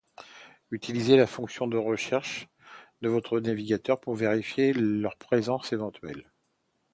Utilisez la fonction de recherche de votre navigateur pour vérifier leur présence éventuelle.